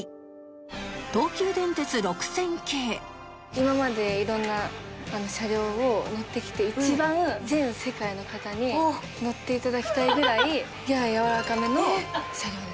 今まで色んな車両を乗ってきて一番全世界の方に乗って頂きたいぐらいやややわらかめの車両です。